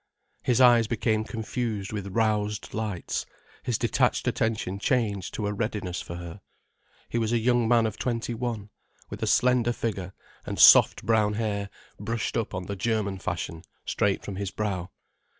His eyes became confused with roused lights, his detached attention changed to a readiness for her. He was a young man of twenty one, with a slender figure and soft brown hair brushed up on the German fashion straight from his brow.